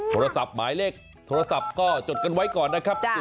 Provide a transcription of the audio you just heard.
โทรศัพท์หมายเลขโทรศัพท์ก็จดกันไว้ก่อนนะครับ